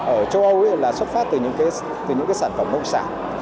ở châu âu là xuất phát từ những cái sản phẩm nông sản